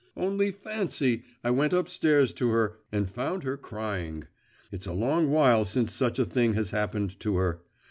'Only fancy! I went upstairs to her and found her crying. It's a long while since such a thing has happened to her.